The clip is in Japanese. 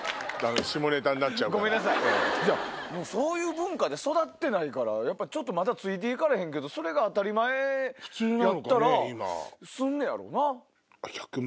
そういう文化で育ってないからまだついて行かれへんけどそれが当たり前やったらすんねやろな。